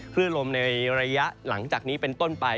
คลื่นลมในระยะหลังจากนี้เป็นต้นไป